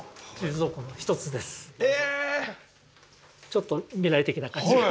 ちょっと未来的な感じが。